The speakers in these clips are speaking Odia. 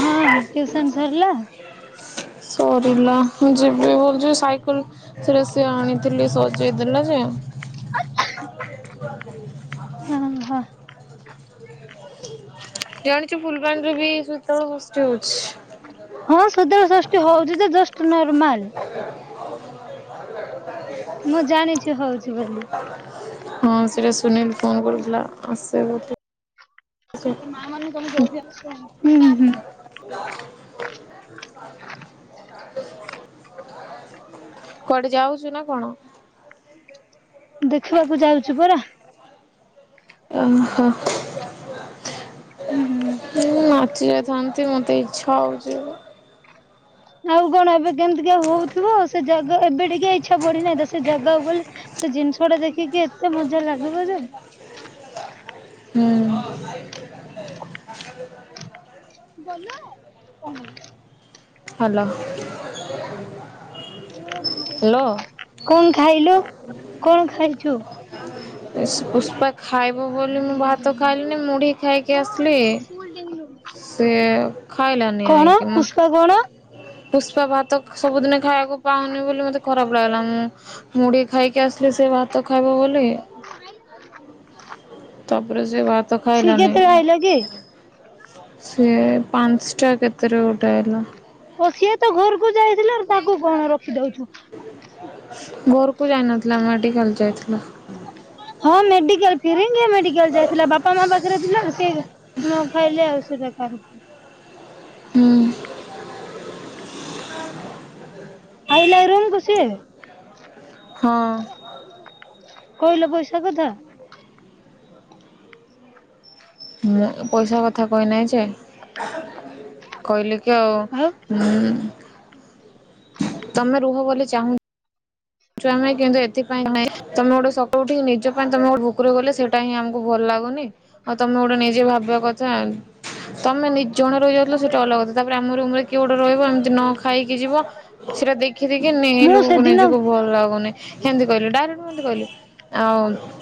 ହଁ ଟିଉସନ ସରିଲା। ସରିଲା ମୁ ଯିବି ବଲଚି ସାଇକେଲ ରେ ସେ ଆଣିଥିଲି ସଜେଇ ଦେଲା ଯେ ଓହୋ [unintelligible] ଜାଣିଛୁ ଫୁଲବାଣୀରେ ବି ଶୀତଳ ଷଷ୍ଠୀ ହଉଛି। ହଁ ଶୀତଳ ଷଷ୍ଠୀ ହଉଛି ତ ଜଷ୍ଟ ନର୍ମାଲ। [inaudible] ମୁଁ ଜାଣିଛି ହଉଛି ବୋଲି ହଁ ସେଟା ସୁନୀଲ ଫୋନ କରୁଥିଲା ଆସେ ବୋଲି। ଏ ମା ମାନେ ତମେ ଜଲଦି ଆସ। ହୁଁ ହୁଁ। କୁଆଡେ ଯାଉଚୁ ନା କଣ? ଦେଖିବାକୁ ଯାଉଚୁ ପରା। ଓହୋ। ହୁଁ ନାଚି ହୁଅନ୍ତି ମୋତେ ଇଚ୍ଛା ହଉଚି। ଆଉ କଣ ଏବେ କେମିତିକା ହଉଥିବ ସେ ଜାଗା ଏବେ ଟିକେ ଇଚ୍ଛା ବଢିନାହିଁ ତା ସେ ଜାଗାକୁ ଗଲେ ସେ ଜିନିଷ ଟା ଦେଖିକି ଏତେ ମଜା ଲାଗିବ ଯେ ହୁଁ ହ୍ୟାଲୋ। ହ୍ୟାଲୋ। କଣ ଖାଇଲୁ କଣ ଖାଇ ଛୁ? ଶ୍ ପୁଷ୍ପା ଖାଇବ ବୋଲି ମୁଁ ଭାତ ଖାଇଲିନି ମୁଢ଼ି ଖାଇକି ଆସିଲି ସେ ଖାଇଲାନି କଣ ଆଇକି ପୁଷ୍ପା ମତ କଣ ପୁଷ୍ପା ଭାତ ସବୁଦିନ ଖାଇବାକୁ ପାଉନି ବୋଲି ମତେ ଖରାପ ଲାଗିଲା ମୁଁ ମୁଢ଼ି ଖାଇକି ଆସିଲି ସେ ଭାତ ଖାଇବ ବୋଲ ତାପରେ ସେ ଭାତ ସିଏ ଖାଇଲାନି। କେତେବେଳେ ଆଇଲା କି ସିଏ ପାଞ୍ଚଟା କେତେରେ ଗୋଟେ ଆଇଲା। ଓ ସିଏ ତ ଘରକୁ ଯାଇଥିଲା ଆର୍ ତାକୁ କଣ ରଖିଦଉଛୁ। ଘୋରକୁୁ ଯାଇନଥିଲା ମେଡିକାଲ୍ ଯାଇଥିଲା। ଡିକାଲ୍ ଫିରିଙ୍ଗିଆ ମେଡିକାଲ ଯାଇଥିଲା ବାପା ମା ପାଖରେ ଥିଲା ସେ ନ ଖାଇଲେ ଆଉ ସେଟା କାର୍ ହୁଁ। ଆଇଲା ରୁମ୍ କୁ ସିଏ? ହଁ। କହିଲ ପଇସା କଥା। ମ୍ ପଇସା କଥା କହି ନାହିଁ ଯେ କହିଲେ ଆଉ [unintelligible] ତମେ ରୁହ ବୋଲି ଚାହୁଁନି ଛୁଆମେ କିନ୍ତୁ ଏଥିପାଇଁ ନାଇଁ ତମେ ଗୋଟେ ସବୁଠି ନିଜ ପାଇଁ ତମେ ଗୋଟେ ଭୁକୁରେ ଗଲେ ସେଇଟା ହିଁ ଆମକୁ ଭଲ ଲାଗୁନି। ଆଉ ତମେ ଗୋଟେ ନିଜେ ଭାବ କଥା ତମେ ନିଇଜଣ ରହିଗଲ ସେଇଟା ଅଲଗା କଥା। ତାପରେ ଆମ ରୁମ ରେ କିଏ ଗୋଟେ ରହିବ ଏମିତି ନ ଖାଇକି ଯିବ ସେଇଟା ଦେ ମୁଁ ସେଦିନ [unintelligible] ଭଲ ଲାଗୁନି ହେମତି କହିଲେ ଡା ଆଇ ଡୋନ୍ଟ ନୋ ମୁଁ ଏମତି କହିଲି।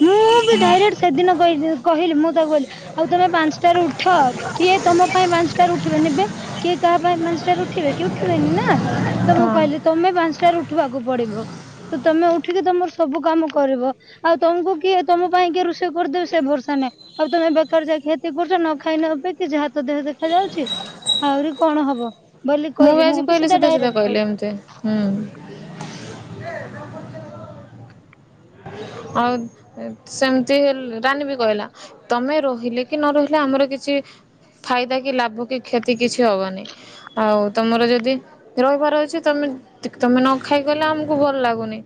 ମୁଁ ବି ଡାଇରେକ୍ଟ ସେଦିନ କହିଲି କହିଲି ମୁଁ ତାକୁ କହିଲି ଆଉ ତମେ ପାଞ୍ଚଟାରେ ଉଠ କିଏ ତମ ପାଇଁ ପାଞ୍ଚଟାରୁ ଉଠିବ ନିବେ କିଏ କାହା ପାଇଁ ମଞ୍ଚଟାରେ ଉଠିବେ କି? ଉ ଉଠିବେନି ନା ତ ମୁଁ ହଁ କହିଲି ତମେ ପାଞ୍ଚଟାରୁ ଉଠିବାକୁ ପଡିବ। ତ ତମେ ଉଠିକି ତମର ସବୁ କାମ କରିବ। ଆଉ ତମକୁ କିଏ ତମ ପାଇଁ କିଏ ରୋଷେଇ କରିଦେବ ସେ ଭରସା ନାହିଁ। ଆଉ ତମେ ବେକାର ଯାଇ କି କ୍ଷତି କରୁଚ ନ ଖାଇ ନପକି ଯାହାତ ଦେହ ଦେଖାଯାଉଛି ଆହୁରି କଣ ହବ। ମୁଁ ବି ଆଜି କହିଲି ସିଧା ସିଧା କହିଲି ଏମିତି ହୁଁ [unintelligible] ଆଉ ସେମିତି ରାନୀ ବି କହିଲା ତମେ ରହିଲେ କି ନ ରହିଲେ ଆମର କିଛି ଫାଇଦା କି ଲାଭ କି କ୍ଷତି କିଛି ହବନି ଆଉ ତମର ଯଦି ରହିବାର ଅଛି ତମେ ନ ଖାଇ ଗଲେ ଆମକୁ ଭଲ ଲାଗୁନି।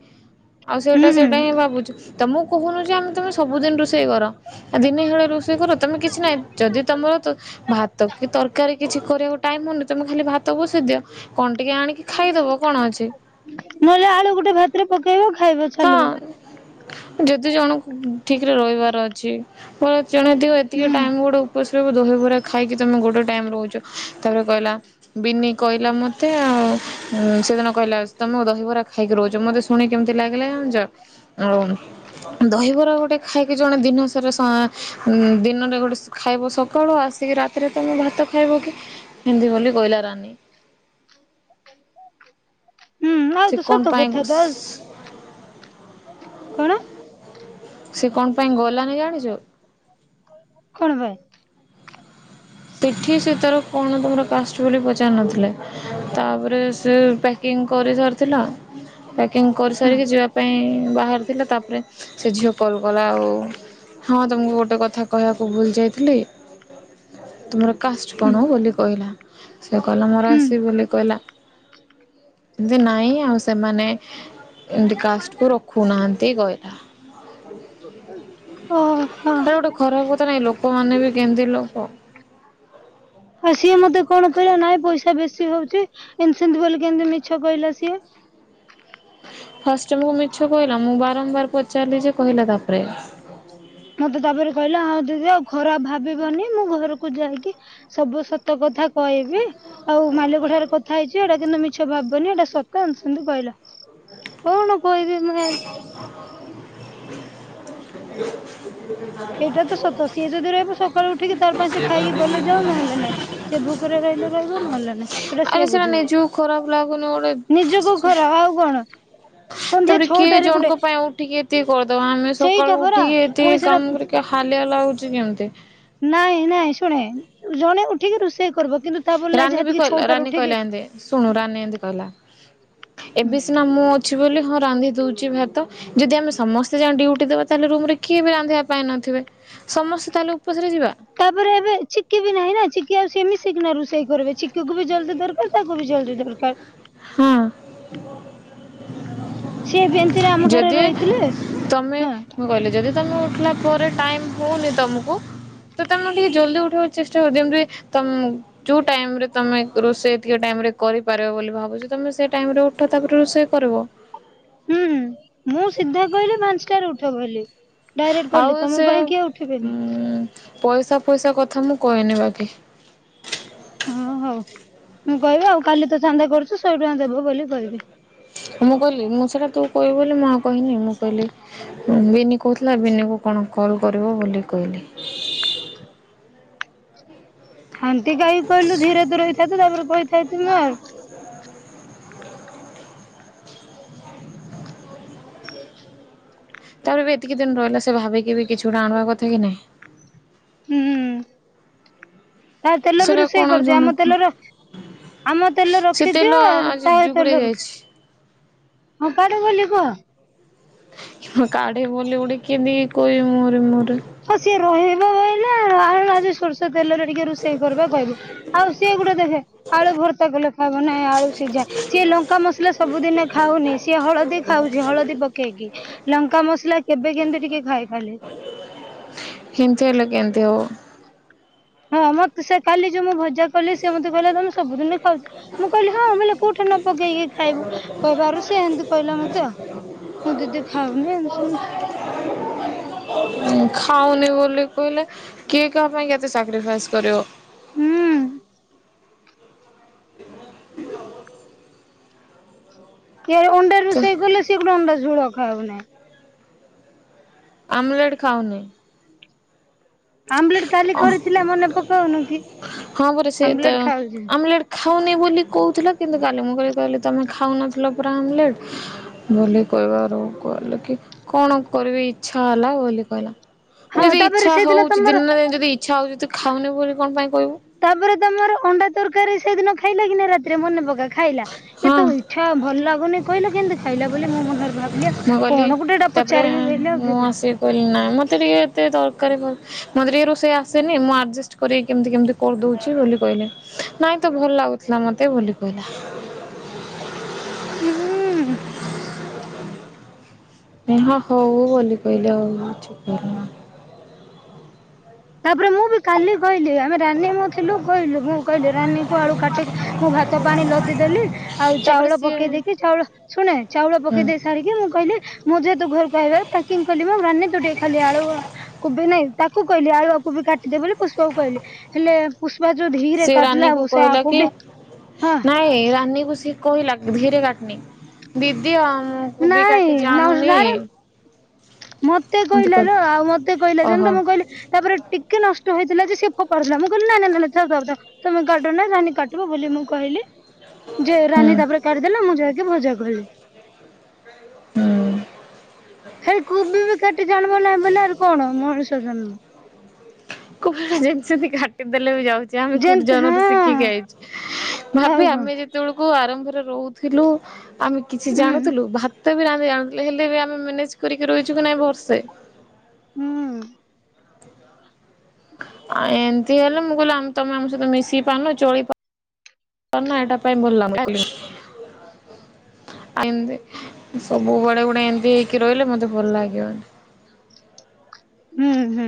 ଆଉ ସେଟା ହୁଁ ହୁଁ ସେଇଟା ହିଁ ଭାବୁଛୁ ତମ କହୁନୁ ଯେ ଆମେ ତମେ ସବୁଦିନ ରୋଷେଇ କର ଆ ଦିନେ ହେଳେ ରୋଷେଇ କର ତମେ କିଛି ନାହିଁ ଯଦି ତମର ଭାତ କି ତରକାରୀ କିଛି କରିବାକୁ ଟାଇମ ହଉନି ତମେ ଖାଲି ଭାତ ବସେଇ ଦିଅ? କଣ ଟିକେ ଆଣିକି ଖାଇଦବ କଣ ଅଛି ନହେଲେ ଆଳୁ ଗୋଟେ ଭାତରେ ପକେଇବ ଖାଇବ ହଁ ଚାଲିବ ଯଦି ଜଣ ଠିକରେ ରହି [unintelligible] ଜଣେଥିବ ଏତିକି ହୁଁ। ଟାଇମ ଗୋଟେ ଉପ ଦହିବରା ଖାଇକି ତମେ ଗୋଟେ ଟାଇମ ରହୁଛ ତାପରେ କହିଲା ବିିନି କହିଲା ମତେ ଆ ସେଦିନ କହିଲା ତମେ ଦହିବରା ଖାଇକି ରହୁଛ ମତେ ଶୁଣି କେମତି ତି ଲାଗିଲା ଜଣିଛ ଆଉ ଦହିବରା ଗୋଟେ ଖାଇକି ଜଣେ ଦିନସାରା ଦିନରେ ଗୋଟେ ଖାଇବ ସକାଳୁ ଆସିକି ରାତିରେ ତମେ ଭାତ ଖାଇବ କି ଏମିତି ବୋଲି ବୋଲି କହିଲା ରାନୀ। ହୁଁ ସେ ହଉଦ କଣ ସତ ପାଇଁ କଥା ତ। କଣ? ସେ କଣ ପାଇଁ ଗଲାନି ଜାଣିଛୁ? କଣ ବେ ତିଥି ସେ ତାର କଣ ତୁମର କାଷ୍ଟ ବୋଲି ପଚାରିିନଥିଲେ ତାପରେ ସେ ପ୍ୟାକିଙ୍ଗ କରି ସାରିଥିଲା ପ୍ୟାକିଂ ହୁଁ କରିସାରିକି ଯିବା ପାଇଁ ବାହାରାରୁଥିଲେ ତାପରେ ସେ ଝିଅ କଲ୍ କଲା ଆଉ ହଁ ତମକୁ ଗୋଟେ କଥା କହିବାକୁ ଭୁଲି ଯାଇଥିଲି। ତୁମର। କାଷ୍ଟ ହୁଁ କଣ ବୋଲି କହିଲା। ସେ କହିଲା ମୋର ହୁଁ ଆସିବି ବୋଲି କହିଲା। [unintelligible] ନାଇଁ ଆଉ ସେମାନେ? ଏମିତି କାଷ୍ଟ୍ କୁ ରଖୁନାହାନ୍ତି କହିଲା। [unintelligible] ଆରେ ଗୋଟେ ଖରାପ କଥା ନାଇଁ ଲୋକମାନୋନେ ବି କେମିତି ଲୋକ ଆଉ ସିଏ ମତେ କଣ କହିଲା ନାଇଁ ପଇସା ବେଶ। ସିଏ ହଉଛି ଏମିତି ସେମିତି ବୋଲି କେମିତି ମିଛ କହିଲା ସିଏ। ଫାଷ୍ଟମୁ ମିଛ କହିଲା ମୁଁ ବାରମ୍ବାର ପଚାରିଲି ଯେ କହିଲା ତାପରେ। ମତେ ତାପରେ କହିଲା ହଁ ଦିଦି ଆଉ ଖରାପ ଭାବିବନି ମୁଁ ଘରକୁ ଯାଇକି ସବୁ ସତ କଥା କହିବି ଆଉ ମାଲିକ ଠାରୁ କଥା ହେଇଛି ଏଇଟା କିନ୍ତୁ ମିଛ ଭାବନି ଏଇଟା ସତ ଏମିତି ସେମିତି କହିଲା କୋଇ ବି ମାର [inaudible] ଏଇଟା ତ ସତ ସିଏ ଯଦି ରହିବ ସକାଳୁ ଉଠିକି ତାର ପାଇଁ ସେ ଖାଇକି ଗଲେ ଯାଉ ଆରେ ନହେଲେ ନାାଇଁ ସିଏ ଭୁକରେ ରହିଲେ ରହିବ ନହେଲେ ନାଇଁ ସେଟା ସିଏ ବୁଝିବ ନିଜକୁ ଖରାପ ଲାଗୁନି ଗୋଟେ ନିଜକୁ ଖରା ଆଉ କଣ? ସନ୍ଧ୍ୟା ତାପରେ କିଏ ଛଅଟାରେ ଗୋଟେ ଜଣଙ୍କ ପାଇଁ ଆଉ ଟିକେ କରିଦବା ଆମେ ସେଇଟା ସକାଳୁ ପରା ଉଠିକି ପୁଣି ଏତିକି ସେଟା କାମ କରିକି ହାଲିଆ ଲାଗୁଚି କେମିତି? ନାଇଁ ନାଇଁ ଶୁଣହେ ଜଣେ ଉଠିକି ରୋଷେଇ କରିବ କିନ୍ତୁ ତା ବୋଲି ନାଇଁ ଯାହା ରାନୀ ବି ଟିକେ କହିଲା ଛଅଟାରୁ ରାନୀ ଉଠିକି କହିଲା ଏମତି ଶୁଣୁ ରାନୀ ଏମତି କହିଲା। ଏବେ ସିନା ମୁଁ ଅଛି ବୋଲି ହଁ ରାନ୍ଧି ଦଉଛି ଭାତ ଯଦି ଆମେ ସମସ୍ତେ ଯା ଡିଉଟି ଦେବା ତାହେଲେ ରୁମ ରେ କିଏ ବି ରାନ୍ଧିବା ପାଇଁ ନଥିବେ ସମସ୍ତେ ତାହେଲେ ଉପାସରେ ଯିବା ତାପରେ ଏବେ ଚିକି ବି ନାହିଁ ନା ଚିକି ଆଉ ସେମିତି ନା ରୋଷେଇ କରିବେ ଚିକିକୁ ବି ଜଲଦି ଦରକାର ତାକୁ ବି ଜଲ୍ଦି ଦରକାର ହଁ। ସିବି ଏମିତିରେ ଆମ ଘରେ ଯଦି ରହିଥିଲେ ତମେ ହଁ। ମୁଁ କହିଲି ଯଦି ତମେ ଉଠିଲା ପରେ ଟାଇମ୍ ହଉନି ତମକୁ ତମେ ଟିକେ ଜଲଦି ଉଠେଇ ଚେଷ୍ଟା କର ଯେମିତିକି ଯୋଉ ଟାଇମ୍ ରେ ତମେ ରୋଷେଇ ଟେ ଟାଇମରେ କରିପାରିବ ବୋଲି ଭାବୁଛି ତମେ ସେ ଟାଇମରେ ଉଠ ତାପ ରୋଷେଇ କରିବ। ହୁଁ ମୁଁ ସିଧା କହିଲି ପାଞ୍ଚଟାରେ ଉଠ ବୋଲି। ଡାଇରେକ୍ଟ ଆଉ କହିଲି ତମ ସେ ପାଇଁ କିଏ ଉଁ ଉଠେଇବେନି? ପଇସା ଫଇସା କଥା ମୁଁ କହିନି ବାକି। ହଁ ହଉ ମୁଁ କହିବି ଆଉ କାଲି ତ ଚାନ୍ଦା କରୁଛୁ ଶହେ ଟଙ୍କା ଦେବ ବୋଲି କହିବି। ମୁଁ କହିଲି ମୁଁ ସେଟା ତୁ କହିବୁ ବୋଲି ମୁଁ କନି ମୁଁ କହିଲି ବିନି କହୁଥିଲା ବିନି କୁ କଣ କଲ କରିବ ବୋଲି କହିଲି। ହାଣ୍ଡି ପାଇଁଲୁ କାହିଁକି କହିଲୁ ଧୀରେ ଧୀରେ ହେଇଥା ତୁ ତାପରେ କହିଥା ତୁମେ ଆଉ ତାପରେ ବି ଏତିକି ଦିନ ରହିଲା ସେ ଭାବିକି ବି କିଛି ଗୋଟେ ଆଣିବା କଥା କି ନାହିଁ? ହୁଁ। ତା ତେଲ ବି ସେଟା ରୋଷେଇ କଣ କରିଦିଅ ଆମ ଜଣକୁ ତେଲ ଆମ ତେଲ ସେ ତେଲ ରଖିଦିଅ ଆଜି ତା ଯୁଗରେ ତେଲ ଯାଇଛି। ହଁ କଡ ବୋଲି କୁହ। କି କାଢେ ବୋଲି ଉଡିକି ବି କୋଇ ମୋର। [inaudible] ରହିବ ବହିଲ ଆଜି ସୋର୍ଷ ତେଲରେ ଟିକେ ରୋଷେଇ କରିବା କହିବ ଆଉ ସିଏ ଗୋଟେ ଦେଖେ ଆଳୁ ଭର୍ତ୍ତା କଲେ ଖାଇବ ନାଇ ଆଳୁ ସିଝା ସିଏ ଲଙ୍କା ମସଲା ସବୁଦିନ ଖାଉନି ସିଏ ହଳଦୀ ଖାଉଛି ହଳଦୀ ପକେଇକି ଲଙ୍କା ମସଲା କେବେ କେମତି ଟିକେ ଖାଇ। [unintelligible] ହେନ୍ତି ହେଲେ କେନ୍ତି ହବ? ହଁ ମତେ ସେ କାଲି ଯୋଉ ମୁଁ ଯା କହିଲେ ସେ ମତେ କହିଲେ ତମେ ସବୁଦିନ ଖାଉଛ ମୁଁ କହିଲି ହଁ ବୋଇଲେ କୋଉଠି ନ ପକେଇକି ଖାଇବୁ କହିବାରୁ ସେ ଏନତି କହିଲା ମତେ ମୁଁ ଦିଦି ଖାଉନି [unintelligible] ଖାଉନି ବୋଲି କହିଲେ କିଏ କାହା ପାଇଁ କେତେ ସାକ୍ରିଫାଇସ୍ କରିବ। ହୁଁ। [inaudible] କି ଅଣ୍ଡା ରୁଷେଇ କଲେ ସିଏ ଗୁଟେ ଅଣ୍ଡା ଝୁଳ। ଖାଉନାହିଁ। ଆମଲେଟ ଖାଉନାହି। ଆମଲେଟ କାଲି କରିଥିଲା ମନେ ପକଉନୁ କି ହଁ ପରା ସେ ତ ଆମଲେଟ ଖାଉଚି। ଆମଲେଟ ଖାଉନି ବୋଲି କହୁଥିଲା କିନ୍ତୁ କାଲି ମୁଁ କହିଲି କହିଲି ତମେ ଖାଉନଥିଲ ପୁରା ଆମଲେଟ ବୋଲି କହିବାରୁ କହିଲେ କି କଣ କରିବି ଇଚଛା ହେଲା ବୋଲି କହିଲା। ହଁ ତାପରେ ସେଦିନ ତ ଦିନ ନା ଦିନ ଯଦି ଇଚ୍ଛା ହଉଛିି ଖାଉନି ବୋଲି କଣ ପାଇଁ କହିବୁ ତାପରେ ତମର ଅଣ୍ଡା ତରକାରି ସେଇଦିନ ଖାଇଲା କି ନା ରାତିରେ ମନେ ପକା। ଖାଇଲା। ଏ ତ ହଁ। ଇଚଛା ଭଲ ଲାଗୁନି କହିଲା କେମିତି ଖାଇଲା? ବୋଲି ମୋ ମନରେ ଭାବ ମୁଁ କଲି ତାପରେ ଆଉ ମୁଁ ଧୀରେ ଆସିକି କହିଲି ନାଇଁ ମତେ ଟିକେ ଏତେ ଦର କାରୀ ମତେ ଟିକେ ରୋଷେଇ ଆସେନି ମୁଁ ଆଡଜଷ୍ଟ କରି କେମିତି କେମତି କରିଦଉଚି ବୋଲି କହିଲି। ନାଇଁ ତ ଭଲ ଲାଗୁଥିଲା ମତେ ବୋଲି କହିଲା। ହୁଁ। ହଁ ହଉ ବୋଲି କହିଲେ ହଉ କିଛି ତାପରେ ମୁଁ ବି କାଲି କହିଲି ଆମେ ରାନୀ ମୁ ଥିଲୁ କହିଲୁ ମୁଁ କହିଲି ରାନୀକୁ ଆଳୁ କାଟି ମୁଁ ଭାତ ପାଣି ଲଦିଦେଲି, ଆଉ ତାପରେ ଚାଉଳ ସିଏ ପକେଇ ଦେଇକି ଚାଉଳ ଶୁଣେ ଚାଉଳ ହୁଁ ପକେଇ ଦେଇେଇ ସାରିକି ମୁଁ କହିଲି ମୁଁ ଯେହେତୁ ଘରକୁ ଆଇ ପକିଂ କିଲି ମୁ ରାନୀ ତୁ ଟିକେ ଖାଲି ଆଳୁ କୁବି ନାହିଁ। ତାକୁ କହି ଆଳୁଆକୁ ବି କାଟିଦେ ବୋଲି ପୁଷ୍ପକୁ କହିଲି ହେଲେ ପୁସ ସେ ରାନୀ କୁ କହିଲା କି ହଁ ନାଇଁ ରାନୀକୁ ସେ କହିଲା ଧୀରେ କାଟନି ଦିଦି ଆମକୁ ବି ନାଇଁ କାଟି ନଉଜ ଜାଣୁନି ନାରେ ମତେ ଏମିତି କହିଲା ଲ କହିଲେ ଆଉ ମତେ କହିଲା ଯେମ ଓହୋ ତ ମୁଁ କହିଲି ତାପରେ ଟିକେ ନଷ୍ଟ ହଇଥିଲା ଯେ ଫପାଡ଼ିଦେଲା ମୁଁ କହିଲି ନ ନା ନା ନା ଥାଉ ଥାଉ ଥାଉ ତମେ କାଟ ନା ରାନୀ କାଟିବବୋଲି ମୁଁ କହିଲି। ଯେ ହୁଁ ରାନୀ ତାପରେ କାଟିଦେଲା ମୁଁ ଯାହା ମଜା କଲେ। ହୁଁ। ହେଇ କୁବି ବି ସେଠ ଜାଣିବ ନାଇ ବୋଲେ କଣ ମଣିଷ ଜନ୍ମ କ ଯେମିତି ସମିତି କାଟି ଦେଲେ ବି ଯାଉ ଚୁ, ଆମେ କୋଉଠି ଯେମତି ଜନରୁ ହଁ ଶିଖିକି ଆଇଚୁ ଆଉ ଭାବି କଣ ଆମେ ଯେତେବେଳ ଉ ଆରମ୍ଭରେ ରହୁଥିଲୁ। ଆମେ କିଛି ହୁଁ ଜାଣୁଥିଲୁ ଭାତ ତେବେ ଆମେ ଜାଣିଥିଲେ ହେଲେ ବି ଆମେ ମ୍ୟାନେଜ କରିକି ରହିଛୁ କି ନାଇଁ ଭର୍ସେ ହୁଁ ଆ ଏମିତି ହେଲେ ମୁଁ କହିଲି ଆମ ତମେ ଆମ ସହିତ ମିଶି ପାରନ ଚଳି ପାରୁ କଣ ନା ଏଟା ପାଇଁ ଭଲ ଲାଗୁନି। ଆ ଏମତି ସବୁ ବୁଡେ ଗୁଡେ ଏମତି ହେଇକି ରହିଲେ ମତେ ଭଲ ଲାଗିବନି। ହୁଁ ହୁଁ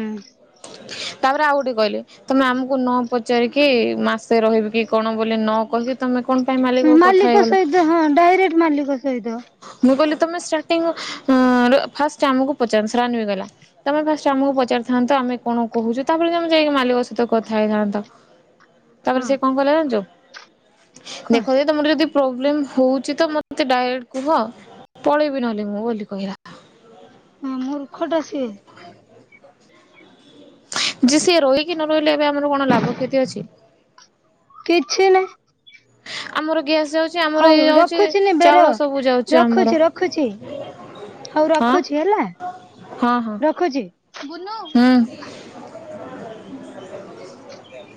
ତାପରେ ଆଉ ଗୋଟେ କହିଲେ ତମେ ଆମକୁ ନ ପଚାରିକି ମାସେ ରହିବି କି କଣ ବୋଲି ନ କହିକି ତମେ କଣ ପାଇଁ ମାଲିକକୁ କଥା ମାଲିକ ହେଇଗଲ। ସହିତ ହଁ ଡାଇରେକ୍ଟ ମାଲିକ ଷେଇଦ [inaudible] ମୁଁ କହିଲି ତମେ ଷ୍ଟାର୍ଟି ଅଁ ଫାଷ୍ଟ ଆମକୁ ପଚାରନ୍ତ ରାନ୍ ମୁଁ କହିଲି ତମେ ସେଟିଙ୍ଗ କୁ ର ଫାଷ୍ଟ ଆମକୁ ପଚାରିଥାନ୍ତରାନୀ ବି କହିଲା ତମେ ଫାଷ୍ଟ ଆମକୁ ପଚାରି ଥାନ୍ତ ଆମେ କଣ କହୁଛୁ ତାପରେ ତମେ ଯାଇକି ମାଲିକ ସହିତ କଥା ହେଇଥାନ୍ତ। ତାପରେ ହଁ ସେ କଣ କଲା ଜାଣିଛୁ? କ ଦେଖ ଯେ ତମର ଯଦି ପ୍ରୋବ୍ଲେମ୍ ହେଉଛି ତ ମୋତେ ଡାାଇରେଟ କୁହ ପଳେଇବି ନହେଲେ ମୁଁ ବୋଲି କହିଲା। ମୂର୍ଖ ଟା ସିଏ। ଯେ ସିଆ ରୋହି ନ ରହିଲେ ଏବେ ଆମର କଣ ଲାଭ କ୍ଷତି ଅଛି। କିଛି ନାହିଁ। ଆମର ଗ୍ୟାସ୍, ଯାଉଛି ଆମର ହଉ ଇଏ ଯାଉଛି ରଖୁଛିି ନିବେର ଚାଉଳ ସବୁ ଯାଉଛି ଆମର ରଖୁଛି ରଖୁଛି ହଉ ହଁ ରଖୁଛି ହେଲା ହଁ ହଁ ରଖୁଛି ବୁନୁ। ହୁଁ। ହ [unintelligible]